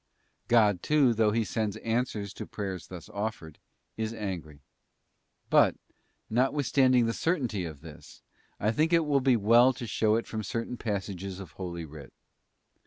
God too, though He sends answers to prayers thus offered, is angry. But, notwithstanding the certainty of this, I think it will be well to show it from certain passages of Holy Writ.